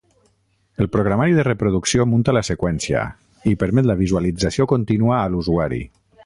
El programari de reproducció munta la seqüència i permet la visualització continua a l'usuari.